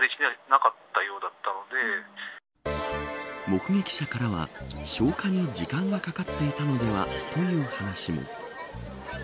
目撃者からは消火に時間がかかっていたのではという話も。